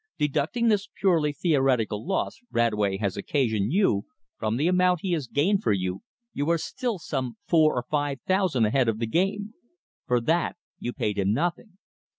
Deducting this purely theoretical loss Radway has occasioned you, from the amount he has gained for you, you are still some four or five thousand ahead of the game. For that you paid him nothing."